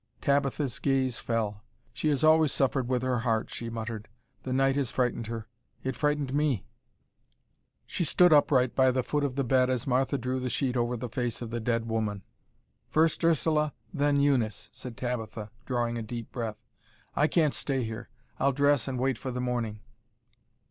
Tabitha's gaze fell. "She has always suffered with her heart," she muttered; "the night has frightened her; it frightened me." She stood upright by the foot of the bed as Martha drew the sheet over the face of the dead woman. "First Ursula, then Eunice," said Tabitha, drawing a deep breath. "I can't stay here. I'll dress and wait for the morning."